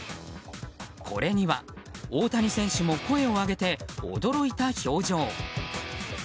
これには、大谷選手も声を上げて、驚いた表情。